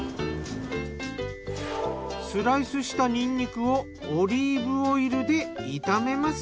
スライスしたにんにくをオリーブオイルで炒めます。